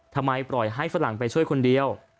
ทำไมปล่อยให้ฝรั่งไปช่วยคนเดียว